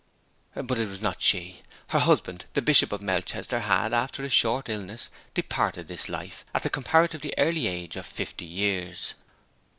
But it was not she. Her husband, the Bishop of Melchester, had, after a short illness, departed this life at the comparatively early age of fifty years.